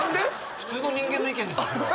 普通の人間の意見ですよ。